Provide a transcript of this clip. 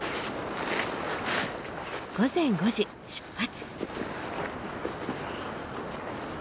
午前５時出発。